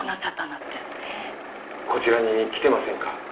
こちらに来てませんか？